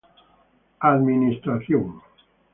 Administraci